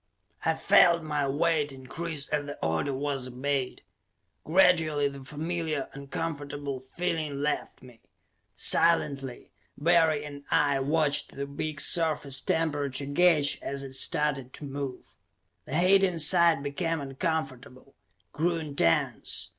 I felt my weight increase as the order was obeyed; gradually the familiar, uncomfortable feeling left me. Silently, Barry and I watched the big surface temperature gauge as it started to move. The heat inside became uncomfortable, grew intense.